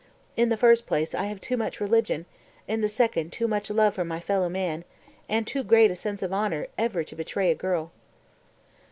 In the first place I have too much religion, in the second too much love for my fellow man and too great a sense of honor ever to betray a girl...."